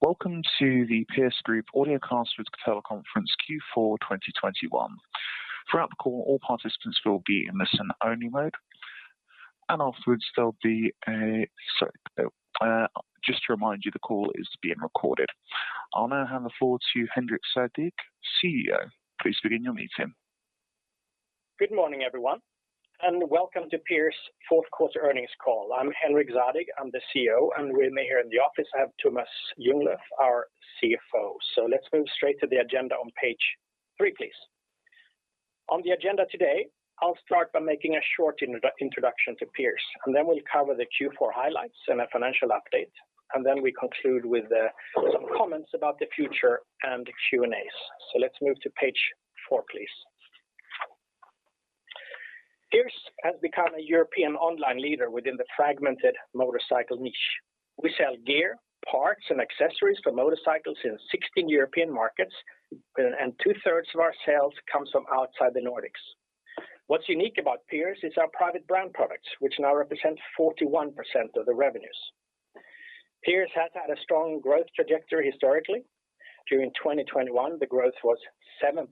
Welcome to the Pierce Group Audiocast with Teleconference Q4 2021. Throughout the call, all participants will be in listen-only mode. Afterwards, there'll be a Q&A. Just to remind you, the call is being recorded. I'll now hand the floor to Henrik Zadig, CEO. Please begin your meeting. Good morning, everyone, and welcome to Pierce's fourth quarter earnings call. I'm Henrik Zadig. I'm the CEO, and with me here in the office, I have Tomas Ljunglöf, our CFO. Let's move straight to the agenda on page three, please. On the agenda today, I'll start by making a short introduction to Pierce, and then we'll cover the Q4 highlights and a financial update. We conclude with some comments about the future and the Q&As. Let's move to page four, please. Pierce has become a European online leader within the fragmented motorcycle niche. We sell gear, parts, and accessories for motorcycles in 16 European markets, and two-thirds of our sales comes from outside the Nordics. What's unique about Pierce is our private brand products, which now represent 41% of the revenues. Pierce has had a strong growth trajectory historically. During 2021, the growth was 7%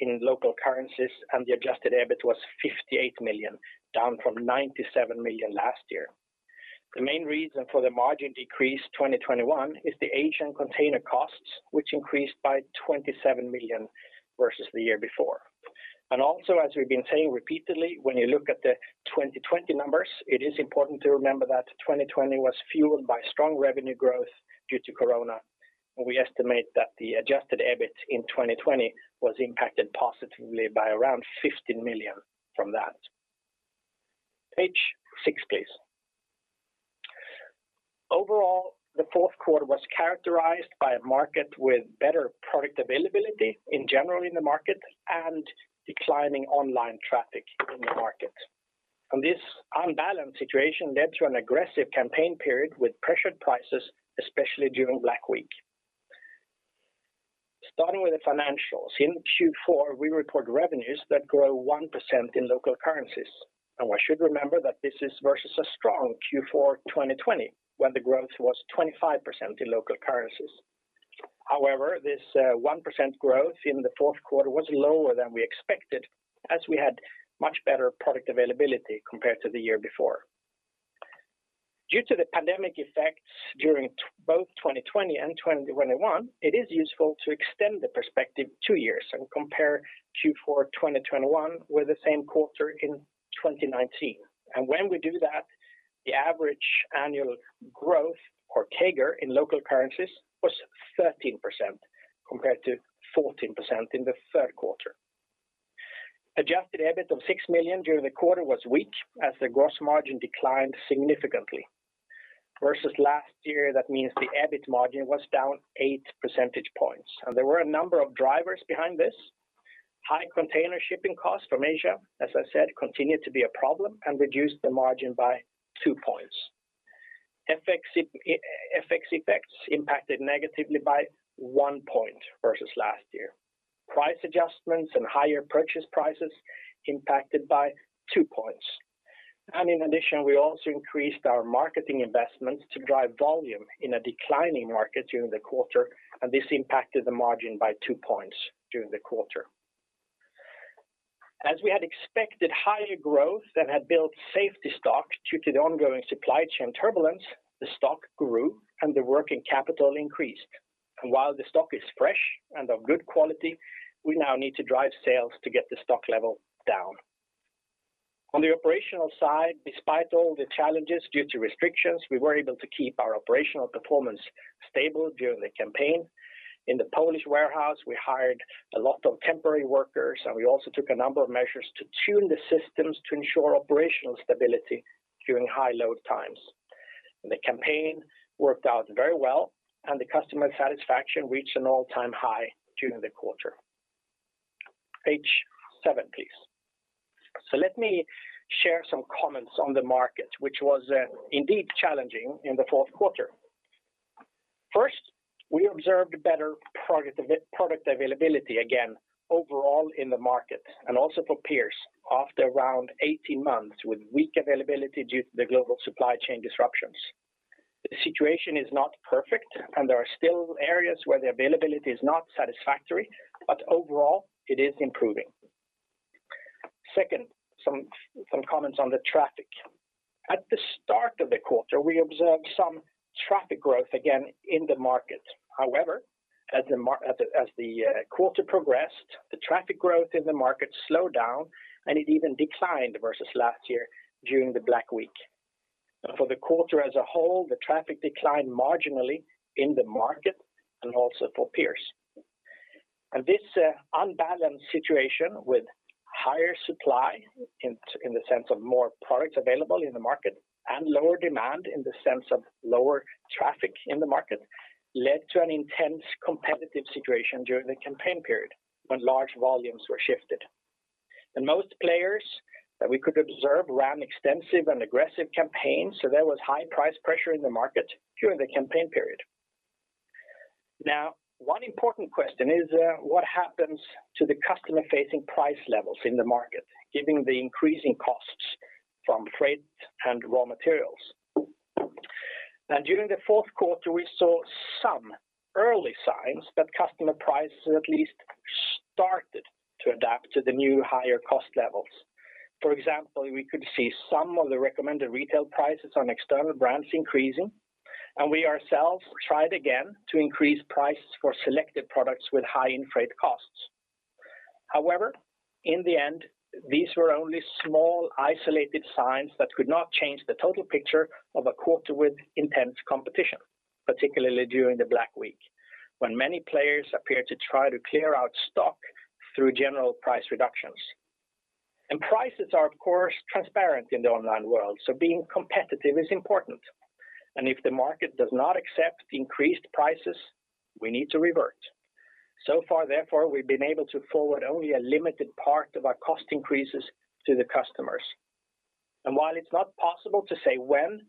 in local currencies, and the adjusted EBIT was 58 million, down from 97 million last year. The main reason for the margin decrease 2021 is the Asian container costs, which increased by 27 million versus the year before. As we've been saying repeatedly, when you look at the 2020 numbers, it is important to remember that 2020 was fueled by strong revenue growth due to Corona. We estimate that the adjusted EBIT in 2020 was impacted positively by around 15 million from that. Page six, please. Overall, the fourth quarter was characterized by a market with better product availability in general in the market and declining online traffic in the market. This unbalanced situation led to an aggressive campaign period with pressured prices, especially during Black Week. Starting with the financials. In Q4, we record revenues that grow 1% in local currencies. We should remember that this is versus a strong Q4 of 2020 when the growth was 25% in local currencies. However, this 1% growth in the fourth quarter was lower than we expected as we had much better product availability compared to the year before. Due to the pandemic effects during both 2020 and 2021, it is useful to extend the perspective two years and compare Q4 of 2021 with the same quarter in 2019. When we do that, the average annual growth or CAGR in local currencies was 13% compared to 14% in the third quarter. Adjusted EBIT of 6 million during the quarter was weak as the gross margin declined significantly. Versus last year, that means the EBIT margin was down 8 percentage points. There were a number of drivers behind this. High container shipping costs from Asia, as I said, continued to be a problem and reduced the margin by 2 points. FX effects impacted negatively by 1 point versus last year. Price adjustments and higher purchase prices impacted by 2 points. In addition, we also increased our marketing investments to drive volume in a declining market during the quarter, and this impacted the margin by 2 points during the quarter. As we had expected higher growth and had built safety stock due to the ongoing supply chain turbulence, the stock grew and the working capital increased. While the stock is fresh and of good quality, we now need to drive sales to get the stock level down. On the operational side, despite all the challenges due to restrictions, we were able to keep our operational performance stable during the campaign. In the Polish warehouse, we hired a lot of temporary workers, and we also took a number of measures to tune the systems to ensure operational stability during high load times. The campaign worked out very well, and the customer satisfaction reached an all-time high during the quarter. Page seven, please. Let me share some comments on the market, which was indeed challenging in the fourth quarter. First, we observed better product availability again overall in the market and also for Pierce after around 18 months with weak availability due to the global supply chain disruptions. The situation is not perfect, and there are still areas where the availability is not satisfactory, but overall it is improving. Second, some comments on the traffic. At the start of the quarter, we observed some traffic growth again in the market. However, as the quarter progressed, the traffic growth in the market slowed down, and it even declined versus last year during the Black Week. For the quarter as a whole, the traffic declined marginally in the market and also for Pierce. This unbalanced situation with higher supply in the sense of more products available in the market and lower demand in the sense of lower traffic in the market led to an intense competitive situation during the campaign period when large volumes were shifted. Most players that we could observe ran extensive and aggressive campaigns, so there was high price pressure in the market during the campaign period. One important question is, what happens to the customer-facing price levels in the market, given the increasing costs from freight and raw materials? During the fourth quarter, we saw some early signs that customer prices at least started to adapt to the new higher cost levels. For example, we could see some of the recommended retail prices on external brands increasing, and we ourselves tried again to increase prices for selected products with high in-freight costs. However, in the end, these were only small isolated signs that could not change the total picture of a quarter with intense competition, particularly during the Black Week, when many players appeared to try to clear out stock through general price reductions. Prices are, of course, transparent in the online world, so being competitive is important. If the market does not accept increased prices, we need to revert. So far, therefore, we've been able to forward only a limited part of our cost increases to the customers. While it's not possible to say when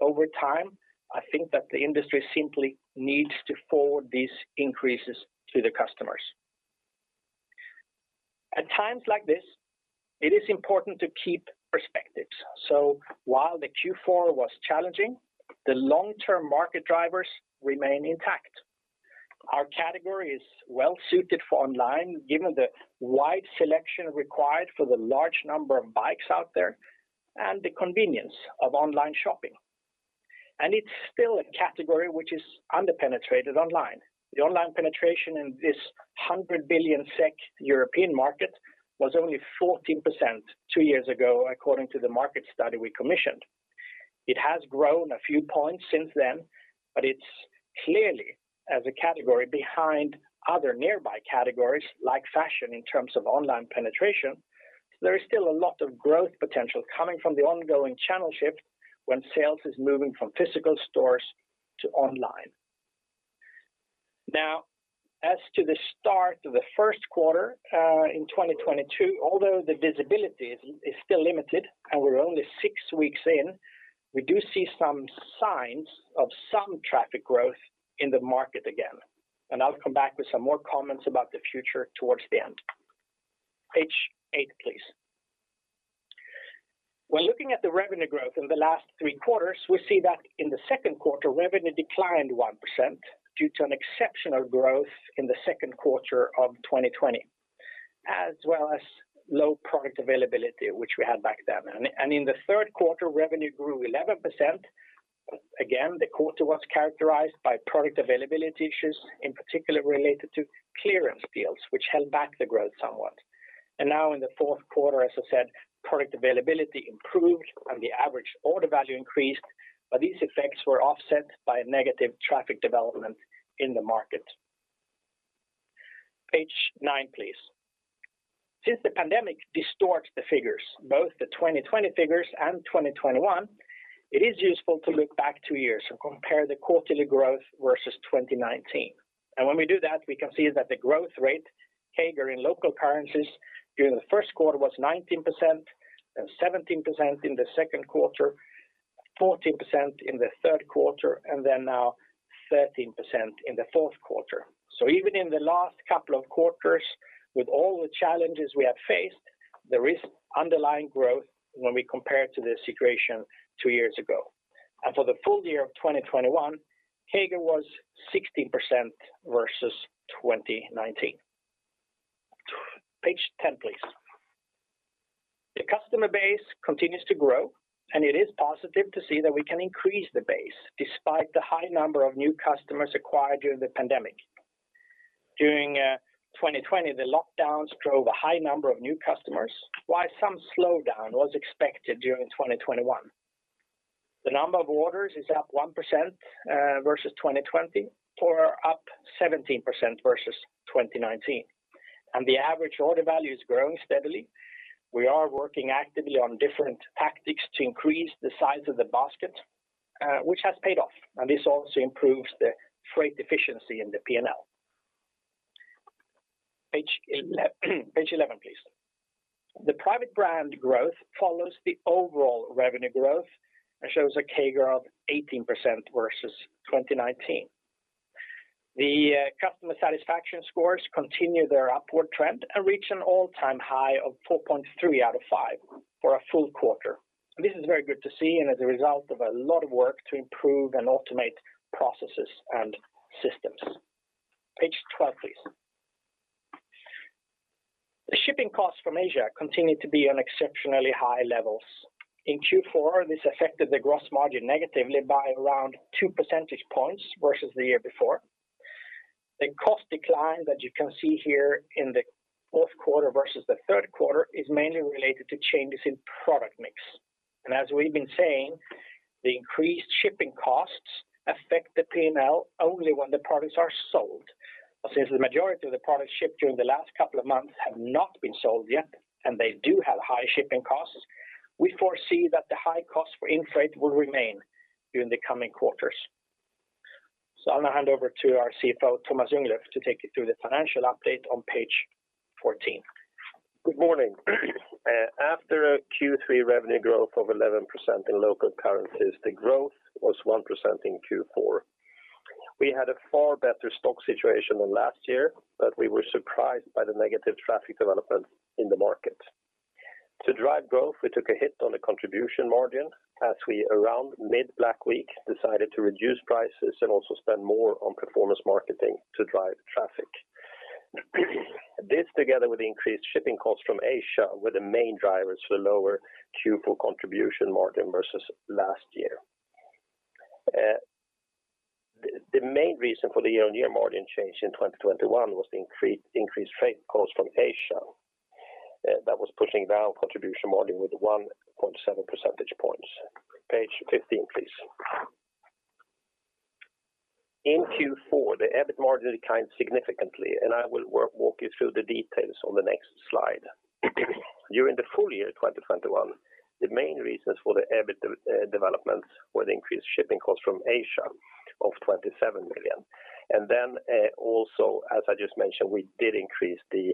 over time, I think that the industry simply needs to forward these increases to the customers. At times like this, it is important to keep perspectives. While the Q4 was challenging, the long-term market drivers remain intact. Our category is well-suited for online, given the wide selection required for the large number of bikes out there and the convenience of online shopping. It's still a category which is under-penetrated online. The online penetration in this 100 billion SEK European market was only 14% two years ago, according to the market study we commissioned. It has grown a few points since then, but it's clearly as a category behind other nearby categories like fashion in terms of online penetration. There is still a lot of growth potential coming from the ongoing channel shift when sales is moving from physical stores to online. Now, as to the start of the first quarter in 2022, although the visibility is still limited and we're only six weeks in, we do see some signs of some traffic growth in the market again. I'll come back with some more comments about the future towards the end. Page eight, please. When looking at the revenue growth in the last three quarters, we see that in the second quarter, revenue declined 1% due to an exceptional growth in the second quarter of 2020, as well as low product availability, which we had back then. In the third quarter, revenue grew 11%. Again, the quarter was characterized by product availability issues, in particular related to clearance deals, which held back the growth somewhat. Now in the fourth quarter, as I said, product availability improved and the average order value increased, but these effects were offset by negative traffic development in the market. Page nine, please. Since the pandemic distorts the figures, both the 2020 figures and 2021, it is useful to look back two years and compare the quarterly growth versus 2019. When we do that, we can see that the growth rate, CAGR in local currencies during the first quarter was 19%, then 17% in the second quarter, 14% in the third quarter, and then now 13% in the fourth quarter. Even in the last couple of quarters, with all the challenges we have faced, there is underlying growth when we compare to the situation two years ago. For the full-year of 2021, CAGR was 16% versus 2019. Page 10, please. The customer base continues to grow, and it is positive to see that we can increase the base despite the high number of new customers acquired during the pandemic. During twenty twenty, the lockdowns drove a high number of new customers, while some slowdown was expected during 2021. The number of orders is up 1% versus 2020, or up 17% versus 2019. The average order value is growing steadily. We are working actively on different tactics to increase the size of the basket, which has paid off. This also improves the freight efficiency in the P&L. Page 11, please. The private brand growth follows the overall revenue growth and shows a CAGR of 18% versus 2019. The customer satisfaction scores continue their upward trend and reach an all-time high of 4.3 out of 5 for a full-quarter. This is very good to see and as a result of a lot of work to improve and automate processes and systems. Page 12, please. The shipping costs from Asia continue to be on exceptionally high levels. In Q4, this affected the gross margin negatively by around 2 percentage points versus the year before. The cost decline that you can see here in the fourth quarter versus the third quarter is mainly related to changes in product mix. As we've been saying, the increased shipping costs affect the P&L only when the products are sold. Since the majority of the products shipped during the last couple of months have not been sold yet, and they do have high shipping costs, we foresee that the high cost for in-freight will remain during the coming quarters. I'm gonna hand over to our CFO, Tomas Ljunglöf, to take you through the financial update on page 14. Good morning. After a Q3 revenue growth of 11% in local currencies, the growth was 1% in Q4. We had a far better stock situation than last year, but we were surprised by the negative traffic development in the market. To drive growth, we took a hit on the contribution margin as we around mid Black Week decided to reduce prices and also spend more on performance marketing to drive traffic. This together with increased shipping costs from Asia were the main drivers for lower Q4 contribution margin versus last year. The main reason for the year-on-year margin change in 2021 was the increased freight costs from Asia that was pushing down contribution margin with 1.7 percentage points. Page 15, please. In Q4, the EBIT margin declined significantly, and I will walk you through the details on the next slide. During the full-year 2021, the main reasons for the EBIT developments were the increased shipping costs from Asia of 27 million. Also as I just mentioned, we did increase the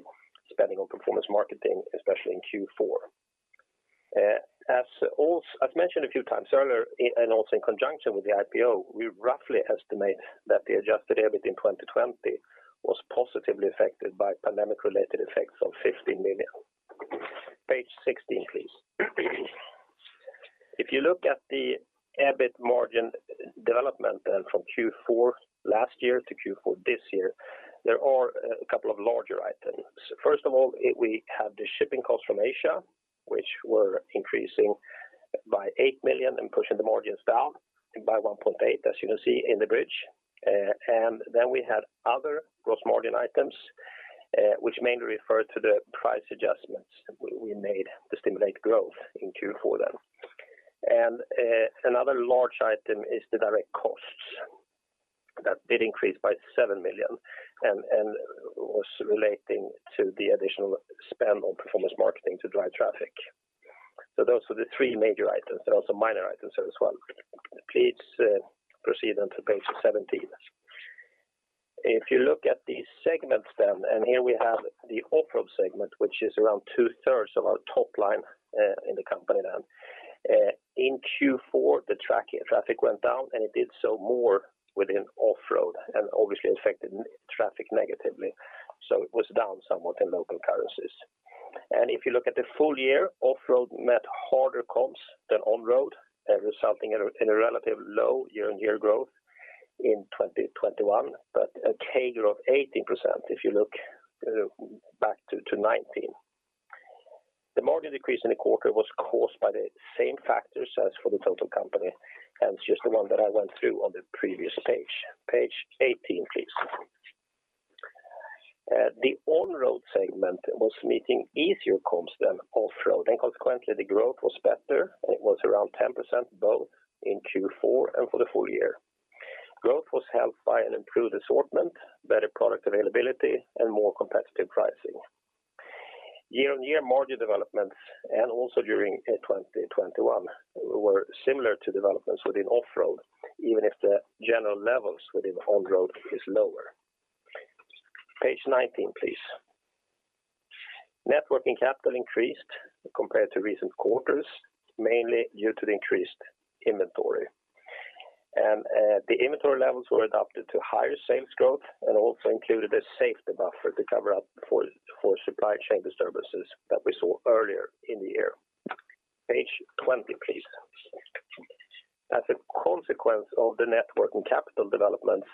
spending on performance marketing, especially in Q4. As mentioned a few times earlier and also in conjunction with the IPO, we roughly estimate that the adjusted EBIT in 2020 was positively affected by pandemic related effects of 50 million. Page 16, please. If you look at the EBIT margin development from Q4 last year to Q4 this year, there are a couple of larger items. First of all, we have the shipping costs from Asia, which were increasing by 8 million and pushing the margins down by 1.8%, as you can see in the bridge. We had other gross margin items, which mainly refer to the price adjustments we made to stimulate growth in Q4 then. Another large item is the direct costs that did increase by 7 million and was relating to the additional spend on performance marketing to drive traffic. Those were the three major items. There are also minor items as well. Please proceed on to page 17. If you look at the segments then, and here we have the Off-road segment, which is around two-thirds of our top line in the company then. In Q4, the traffic went down, and it did so more within Off-road and obviously affected traffic negatively. It was down somewhat in local currencies. If you look at the full-year, Off-road met harder comps than On-road, resulting in a relatively low year-over-year growth in 2021, but a CAGR of 18% if you look back to 2019. The margin decrease in the quarter was caused by the same factors as for the total company, and it's just the one that I went through on the previous page. Page 18, please. The On-road segment was meeting easier comps than Off-road, and consequently, the growth was better, and it was around 10% both in Q4 and for the full-year. Growth was helped by an improved assortment, better product availability, and more competitive pricing. Year-over-year margin developments and also during 2021 were similar to developments within Off-road, even if the general levels within On-road is lower. Page 19, please. Net working capital increased compared to recent quarters, mainly due to the increased inventory. The inventory levels were adapted to higher sales growth and also included a safety buffer to cover up for supply chain disturbances that we saw earlier in the year. Page 20, please. As a consequence of the net working capital developments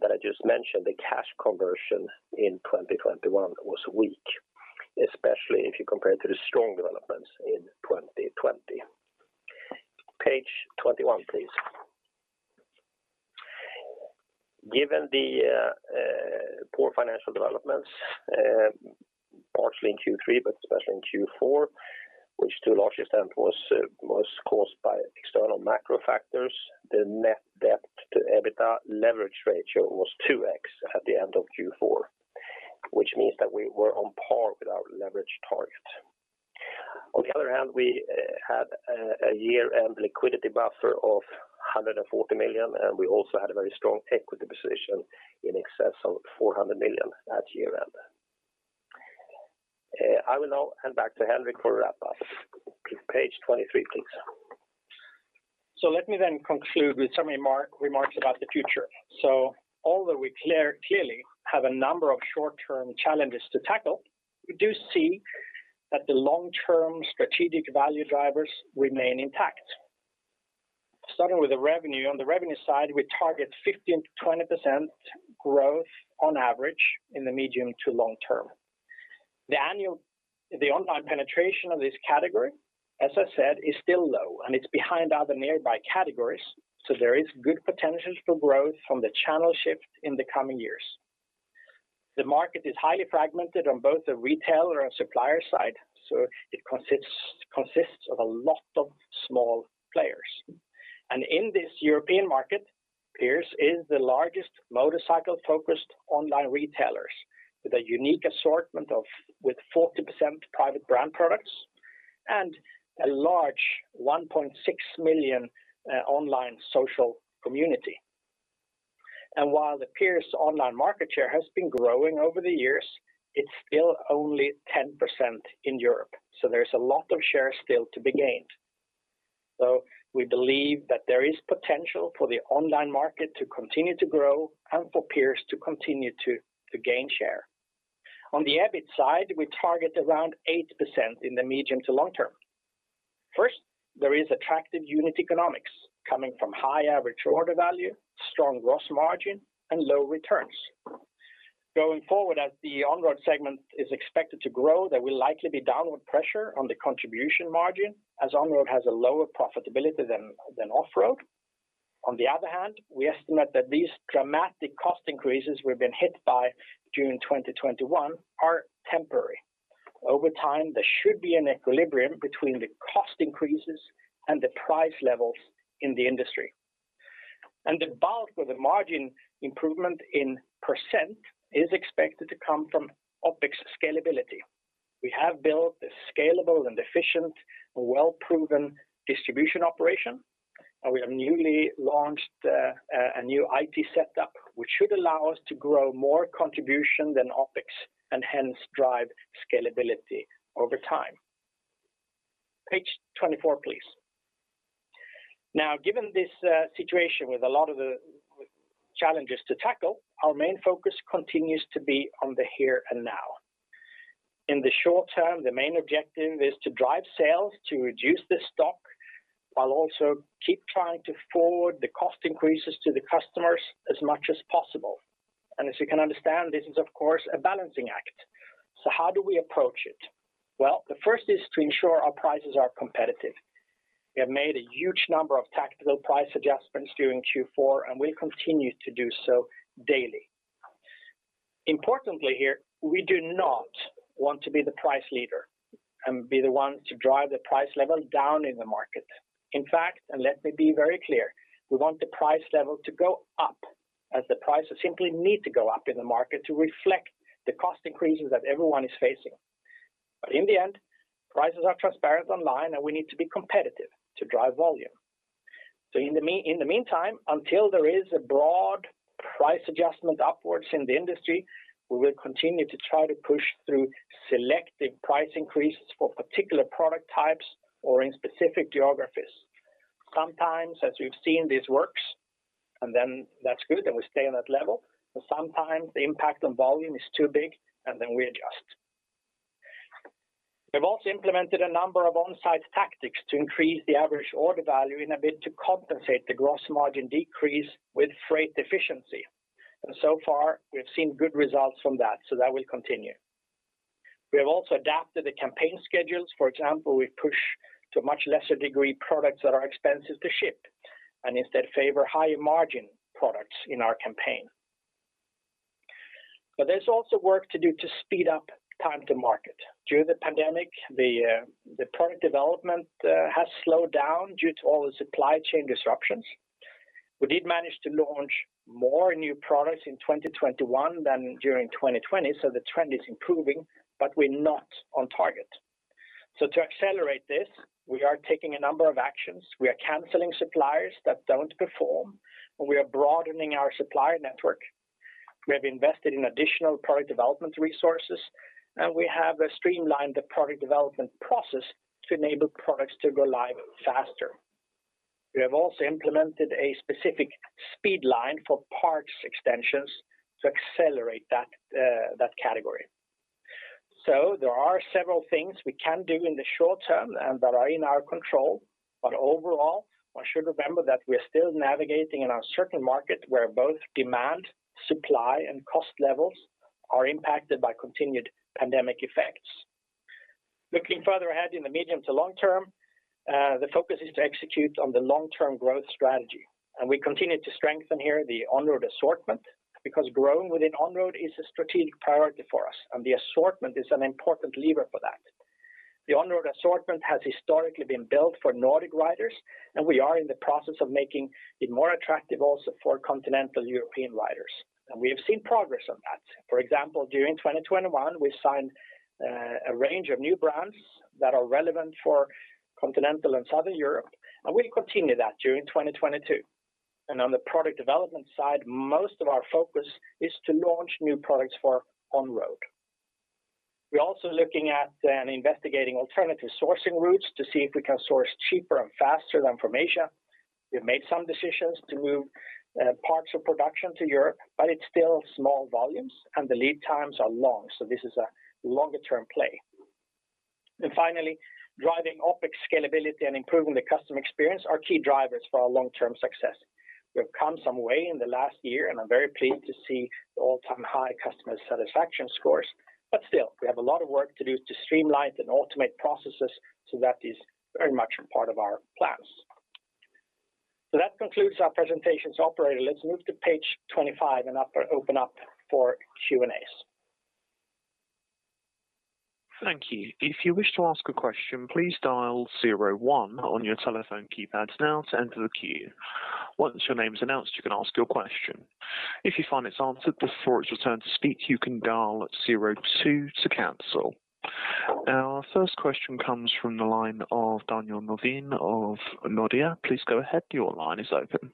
that I just mentioned, the cash conversion in 2021 was weak, especially if you compare it to the strong developments in 2020. Page 21, please. Given the poor financial developments, partially in Q3, but especially in Q4, which to a large extent was caused by external macro factors, the net debt to EBITDA leverage ratio was 2x at the end of Q4, which means that we were on par with our leverage target. On the other hand, we had a year-end liquidity buffer of 140 million, and we also had a very strong equity position in excess of 400 million at year-end. I will now hand back to Henrik for wrap up. Page 23, please. Let me then conclude with some remarks about the future. Although we clearly have a number of short-term challenges to tackle, we do see that the long-term strategic value drivers remain intact. Starting with the revenue, on the revenue side, we target 15%-20% growth on average in the medium to long term. The online penetration of this category, as I said, is still low, and it's behind other nearby categories. There is good potential for growth from the channel shift in the coming years. The market is highly fragmented on both the retail or supplier side, so it consists of a lot of small players. In this European market, Pierce is the largest motorcycle-focused online retailers with a unique assortment with 40% private brand products and a large 1.6 million online social community. While the Pierce's online market share has been growing over the years, it's still only 10% in Europe, so there's a lot of share still to be gained. We believe that there is potential for the online market to continue to grow and for Pierce to continue to gain share. On the EBIT side, we target around 8% in the medium to long term. First, there is attractive unit economics coming from high average order value, strong gross margin, and low returns. Going forward, as the On-road segment is expected to grow, there will likely be downward pressure on the contribution margin as On-road has a lower profitability than Off-road. On the other hand, we estimate that these dramatic cost increases we've been hit by during 2021 are temporary. Over time, there should be an equilibrium between the cost increases and the price levels in the industry. The bulk of the margin improvement in % is expected to come from OpEx scalability. We have built a scalable and efficient and well-proven distribution operation, and we have newly launched a new IT setup, which should allow us to grow more contribution than OpEx and hence drive scalability over time. Page 24, please. Now, given this situation with a lot of the challenges to tackle, our main focus continues to be on the here and now. In the short term, the main objective is to drive sales to reduce the stock while also keep trying to forward the cost increases to the customers as much as possible. As you can understand, this is of course a balancing act. How do we approach it? Well, the first is to ensure our prices are competitive. We have made a huge number of tactical price adjustments during Q4, and we continue to do so daily. Importantly here, we do not want to be the price leader and be the one to drive the price level down in the market. In fact, and let me be very clear, we want the price level to go up as the prices simply need to go up in the market to reflect the cost increases that everyone is facing. In the end, prices are transparent online, and we need to be competitive to drive volume. In the meantime, until there is a broad price adjustment upwards in the industry, we will continue to try to push through selective price increases for particular product types or in specific geographies. Sometimes, as we've seen, this works, and then that's good, and we stay on that level, but sometimes the impact on volume is too big, and then we adjust. We've also implemented a number of on-site tactics to increase the average order value in a bid to compensate the gross margin decrease with freight efficiency. So far, we've seen good results from that, so that will continue. We have also adapted the campaign schedules. For example, we push to a much lesser degree products that are expensive to ship and instead favor higher margin products in our campaign. There's also work to do to speed up time to market. During the pandemic, the product development has slowed down due to all the supply chain disruptions. We did manage to launch more new products in 2021 than during 2020, so the trend is improving, but we're not on target. To accelerate this, we are taking a number of actions. We are canceling suppliers that don't perform, and we are broadening our supplier network. We have invested in additional product development resources, and we have streamlined the product development process to enable products to go live faster. We have also implemented a specific speed line for parts extensions to accelerate that category. There are several things we can do in the short term and that are in our control. Overall, one should remember that we're still navigating in our certain market where both demand, supply, and cost levels are impacted by continued pandemic effects. Looking further ahead in the medium to long term, the focus is to execute on the long-term growth strategy. We continue to strengthen here the On-road assortment because growing within On-road is a strategic priority for us, and the assortment is an important lever for that. The On-road assortment has historically been built for Nordic riders, and we are in the process of making it more attractive also for continental European riders. We have seen progress on that. For example, during 2021, we signed a range of new brands that are relevant for continental and Southern Europe, and we'll continue that during 2022. On the product development side, most of our focus is to launch new products for On-road. We're also looking at and investigating alternative sourcing routes to see if we can source cheaper and faster than from Asia. We've made some decisions to move, parts of production to Europe, but it's still small volumes, and the lead times are long, so this is a longer-term play. Finally, driving OpEx scalability and improving the customer experience are key drivers for our long-term success. We have come some way in the last year, and I'm very pleased to see the all-time high customer satisfaction scores. Still, we have a lot of work to do to streamline and automate processes, so that is very much a part of our plans. That concludes our presentation. Operator, let's move to page 25 and open up for Q&As. Thank you. Our first question comes from the line of Daniel Norin of Nordea. Please go ahead. Your line is open.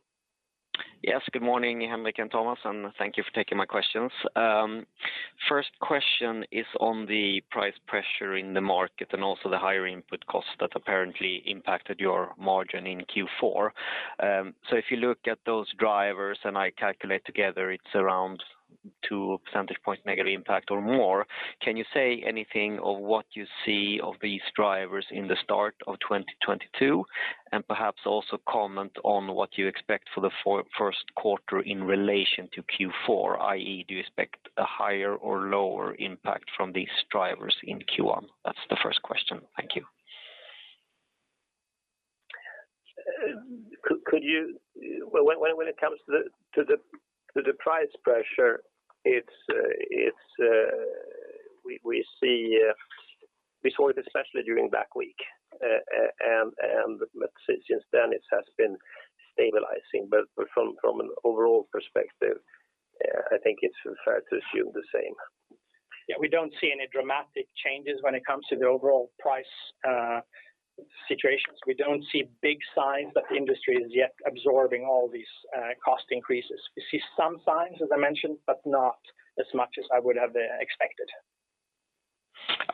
Yes, good morning, Henrik and Tomas, and thank you for taking my questions. First question is on the price pressure in the market and also the higher input costs that apparently impacted your margin in Q4. If you look at those drivers, and I calculate together, it's around two percentage points negative impact or more. Can you say anything of what you see of these drivers in the start of 2022? Perhaps also comment on what you expect for the first quarter in relation to Q4, i.e., do you expect a higher or lower impact from these drivers in Q1? That's the first question. Thank you. When it comes to the price pressure, we saw it especially during that week. Since then, it has been stabilizing. From an overall perspective, I think it's fair to assume the same. Yeah, we don't see any dramatic changes when it comes to the overall price situations. We don't see big signs that the industry is yet absorbing all these cost increases. We see some signs, as I mentioned, but not as much as I would have expected.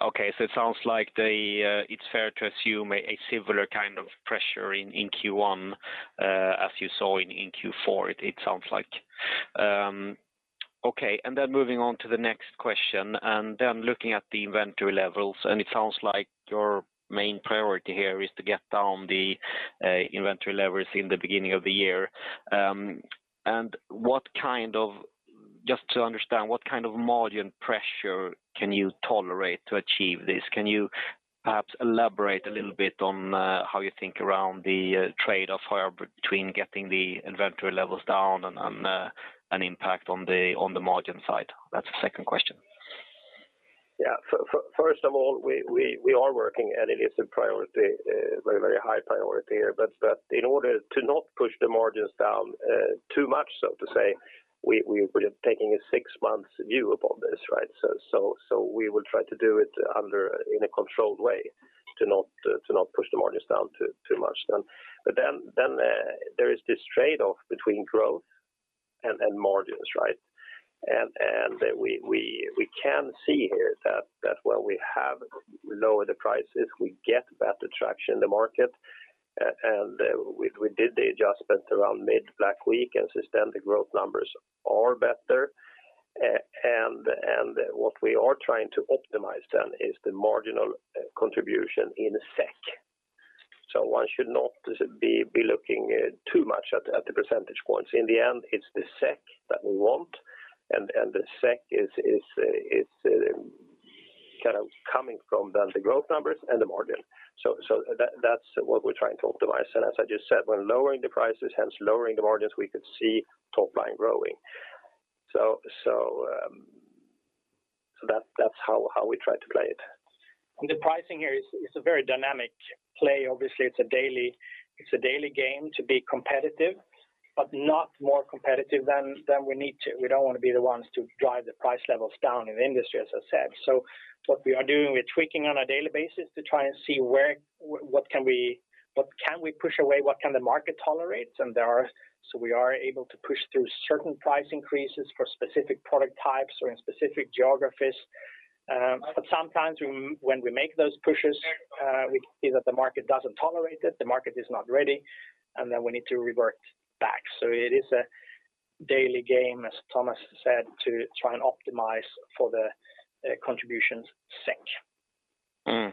Okay. It sounds like it's fair to assume a similar kind of pressure in Q1, as you saw in Q4, it sounds like. Okay, then moving on to the next question, then looking at the inventory levels, it sounds like your main priority here is to get down the inventory levels in the beginning of the year. Just to understand, what kind of margin pressure can you tolerate to achieve this? Can you perhaps elaborate a little bit on how you think around the trade-off here between getting the inventory levels down and an impact on the margin side? That's the second question. Yeah. First of all, we are working, and it is a priority, a very high priority here. In order to not push the margins down too much, so to say, we're taking a six months view upon this, right? We will try to do it in a controlled way to not push the margins down too much then. There is this trade-off between growth and margins, right? We can see here that when we have lowered the prices, we get better traction in the market. We did the adjustment around mid Black Week, and since then the growth numbers are better. What we are trying to optimize then is the marginal contribution in SEK. One should not be looking too much at the percentage points. In the end, it's the SEK that we want, and the SEK is kind of coming from the growth numbers and the margin. That's what we're trying to optimize. As I just said, when lowering the prices, hence lowering the margins, we could see top line growing. That's how we try to play it. The pricing here is a very dynamic play. Obviously, it's a daily game to be competitive, but not more competitive than we need to. We don't want to be the ones to drive the price levels down in the industry, as I said. What we are doing, we're tweaking on a daily basis to try and see where what can we push away? What can the market tolerate? We are able to push through certain price increases for specific product types or in specific geographies. Sometimes when we make those pushes, we see that the market doesn't tolerate it, the market is not ready, and then we need to revert back. It is a daily game, as Tomas said, to try and optimize for the contributions SEK.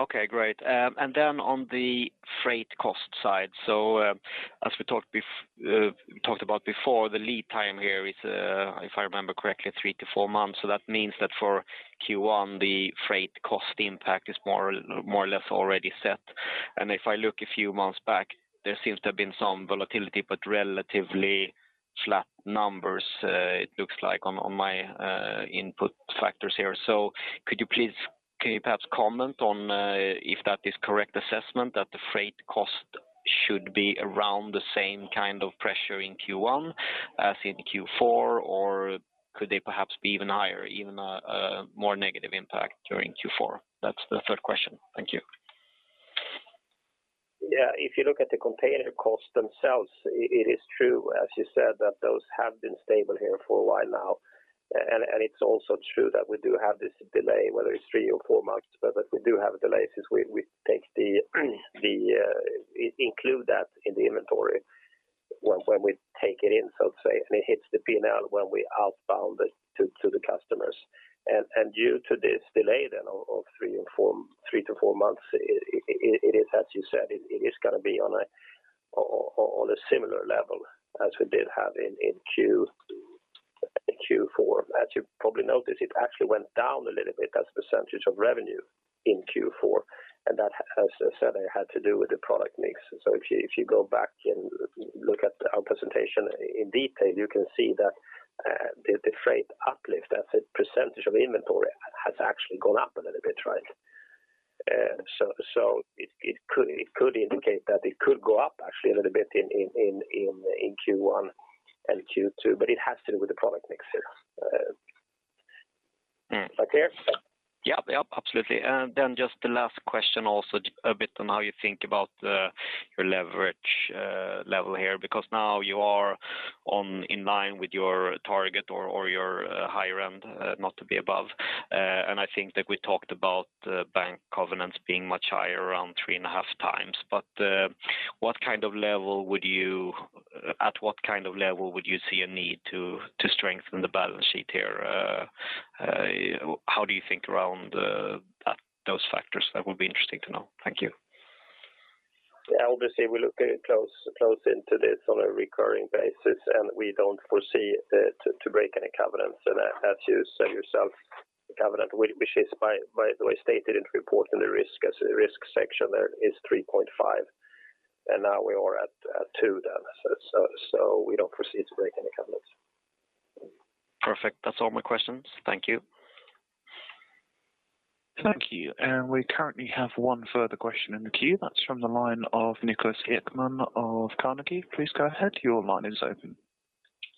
Okay, great. On the freight cost side. As we talked about before, the lead time here is, if I remember correctly, three to four months. That means that for Q1, the freight cost impact is more or less already set. If I look a few months back, there seems to have been some volatility, but relatively flat numbers, it looks like on my input factors here. Could you please perhaps comment on if that is correct assessment that the freight cost should be around the same kind of pressure in Q1 as in Q4? Or could they perhaps be even higher, a more negative impact during Q4? That's the third question. Thank you. Yeah. If you look at the container costs themselves, it is true, as you said, that those have been stable here for a while now. It's also true that we do have this delay, whether it's three or four months, but we do have a delay since we take it and include that in the inventory when we take it in, so to say, and it hits the P&L when we outbound it to the customers. Due to this delay then of three to four months, it is as you said, it is gonna be on a similar level as we did have in Q4. As you probably noticed, it actually went down a little bit as a percentage of revenue in Q4, and that, as I said, had to do with the product mix. If you go back and look at our presentation in detail, you can see that the freight uplift as a percentage of inventory has actually gone up a little bit, right? It could indicate that it could go up actually a little bit in Q1 and Q2, but it has to do with the product mix here. Mm. Okay? Yeah. Yep, absolutely. Just the last question also a bit on how you think about your leverage level here, because now you are in line with your target or your higher end, not to be above. I think that we talked about bank covenants being much higher around three and a half times. What kind of level would you see a need to strengthen the balance sheet here? How do you think about those factors? That would be interesting to know. Thank you. Yeah. Obviously, we look at it closely on a recurring basis, and we don't foresee to break any covenants. As you said yourself, the covenant, which is, by the way, stated in report in the risk assessment section, is 3.5, and now we are at two then. We don't proceed to break any covenants. Perfect. That's all my questions. Thank you. Thank you. We currently have one further question in the queue. That's from the line of Niklas Ekman of Carnegie. Please go ahead. Your line is open.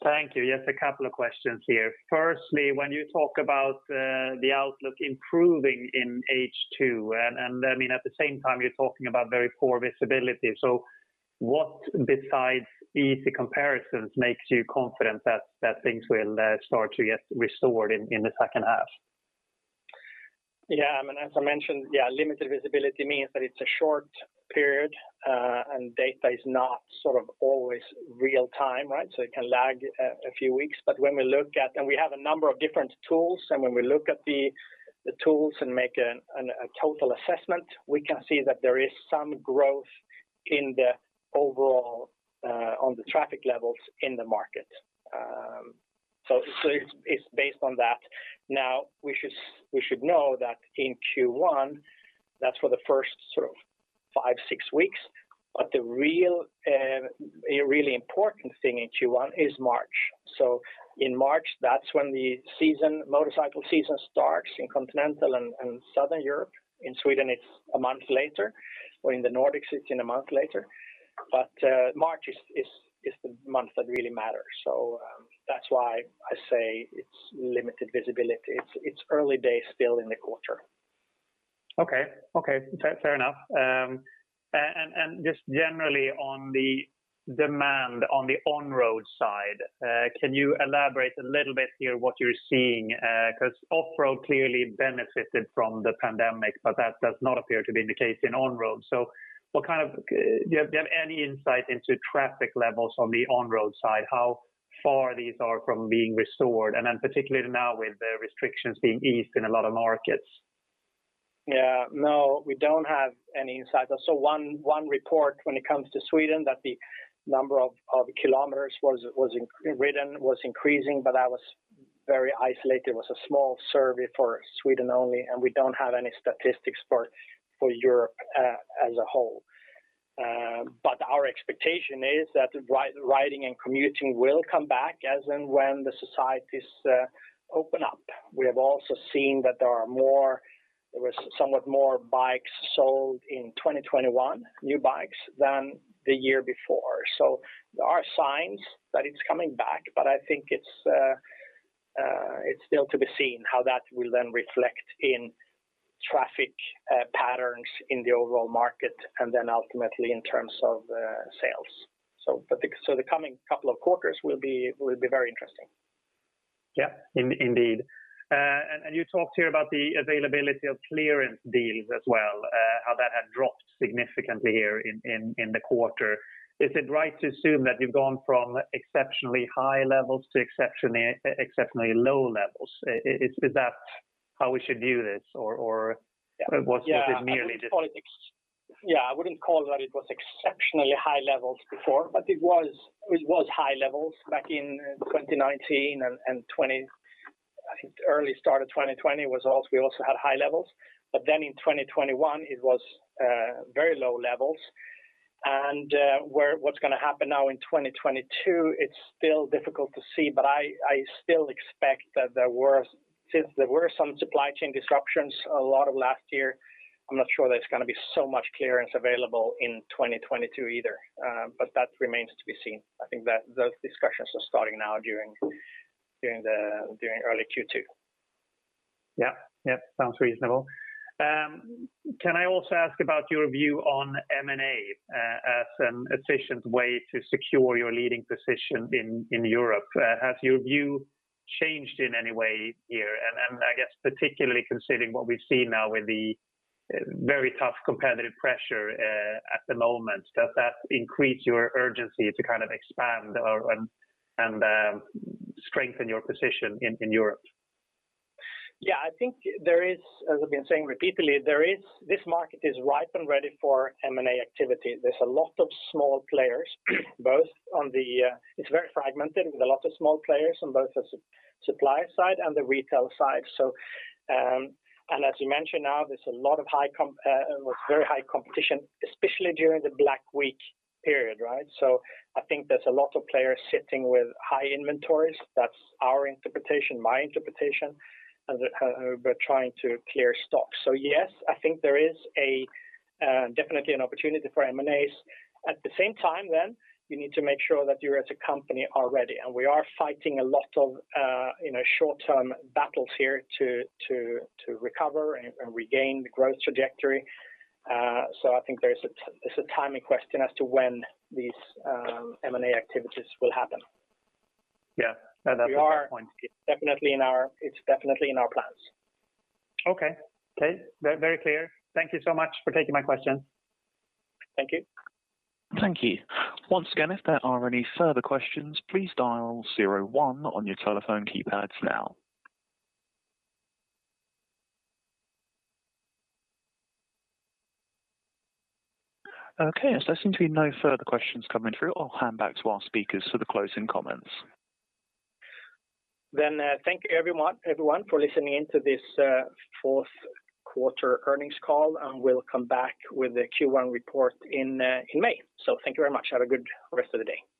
Thank you. Yes, a couple of questions here. Firstly, when you talk about the outlook improving in H2, and I mean, at the same time, you're talking about very poor visibility. So what besides easy comparisons makes you confident that things will start to get restored in the second half? Yeah. I mean, as I mentioned, limited visibility means that it's a short period, and data is not sort of always real time, right? It can lag a few weeks. We have a number of different tools, and when we look at the tools and make a total assessment, we can see that there is some growth in the overall on the traffic levels in the market. It's based on that. Now, we should know that in Q1, that's for the first sort of five, six weeks. The really important thing in Q1 is March. In March, that's when the season, motorcycle season starts in continental and Southern Europe. In Sweden, it's a month later, or in the Nordics, it's a month later. March is the month that really matters. That's why I say it's limited visibility. It's early days still in the quarter. Okay. Fair enough. Just generally on the demand on the on-road side, can you elaborate a little bit here what you're seeing? Because off-road clearly benefited from the pandemic, but that does not appear to be the case in on-road. Do you have any insight into traffic levels on the on-road side? How far these are from being restored? Particularly now with the restrictions being eased in a lot of markets. Yeah. No, we don't have any insights. I saw one report when it comes to Sweden that the number of kilometers was ridden was increasing, but that was very isolated. It was a small survey for Sweden only, and we don't have any statistics for Europe as a whole. Our expectation is that riding and commuting will come back as and when the societies open up. We have also seen that there was somewhat more bikes sold in 2021, new bikes, than the year before. There are signs that it's coming back, but I think it's still to be seen how that will then reflect in traffic patterns in the overall market and then ultimately in terms of sales. The coming couple of quarters will be very interesting. Yeah. Indeed. And you talked here about the availability of clearance deals as well, how that had dropped significantly here in the quarter. Is it right to assume that you've gone from exceptionally high levels to exceptionally low levels? Is that how we should view this? Or Yeah. Was it merely just- I wouldn't call that it was exceptionally high levels before, but it was high levels back in 2019 and I think the early start of 2020 we also had high levels. In 2021, it was very low levels. What's gonna happen now in 2022, it's still difficult to see, but I still expect that since there were some supply chain disruptions a lot of last year, I'm not sure there's gonna be so much clearance available in 2022 either. That remains to be seen. I think that those discussions are starting now during early Q2. Yeah. Yeah. Sounds reasonable. Can I also ask about your view on M&A as an efficient way to secure your leading position in Europe? Has your view changed in any way here? I guess particularly considering what we've seen now with the very tough competitive pressure at the moment, does that increase your urgency to kind of expand or strengthen your position in Europe? Yeah. I think there is, as I've been saying repeatedly, this market is ripe and ready for M&A activity. There's a lot of small players. It's very fragmented with a lot of small players on both the supply side and the retail side. As you mentioned, now there's a lot of high competition, especially during the Black Week period, right? I think there's a lot of players sitting with high inventories. That's our interpretation, my interpretation, who are trying to clear stocks. Yes, I think there is definitely an opportunity for M&As. At the same time, you need to make sure that you as a company are ready. We are fighting a lot of, you know, short-term battles here to recover and regain the growth trajectory. I think there's a timing question as to when these M&A activities will happen. Yeah. No, that's a fair point. It's definitely in our plans. Okay. Very clear. Thank you so much for taking my questions. Thank you. Thank you. Once again, if there are any further questions, please dial zero one on your telephone keypads now. Okay. As there seem to be no further questions coming through, I'll hand back to our speakers for the closing comments. Thank everyone for listening in to this fourth quarter earnings call, and we'll come back with the Q1 report in May. Thank you very much. Have a good rest of the day.